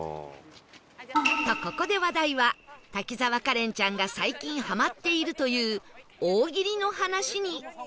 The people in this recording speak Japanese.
とここで話題は滝沢カレンちゃんが最近ハマっているという大喜利の話に